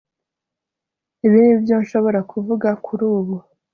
Ibi nibyo nshobora kuvuga kuri ubu